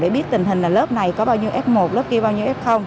để biết tình hình là lớp này có bao nhiêu f một lớp kia bao nhiêu f